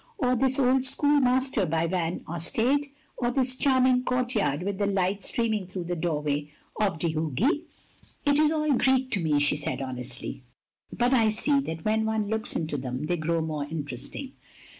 Or this old schoolmaster by Van Ostade? Or this charming courtyard with the light streaming through the doorway, of de Hooghe?" "It is all Greek to me," she said honestly. " But I see that when one looks into them they grow more interesting.